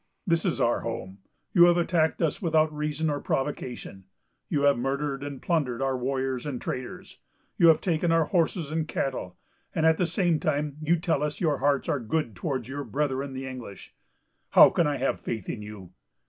This is our home. You have attacked us without reason or provocation; you have murdered and plundered our warriors and traders; you have taken our horses and cattle; and at the same time you tell us your hearts are good towards your brethren the English. How can I have faith in you?